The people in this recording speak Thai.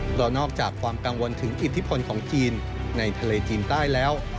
เพราะนอกจากความกังวลถึงอิทธิพลของจีนในทะเลจีนใต้แล้ว